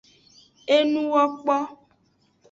Enuwokpo.